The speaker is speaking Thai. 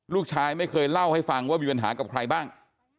ลูกชายไม่เคยเล่าให้ฟังว่ามีปัญหากับใครบ้าง